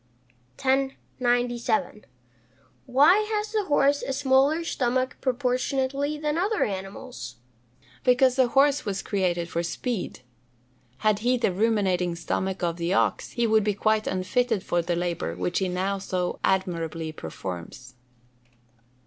"_ 1097. Why has the horse a smaller stomach proportionately than other animals? Because the horse was created for speed. Had he the ruminating stomach of the ox, he would be quite unfitted for the labour which he now so admirably performs.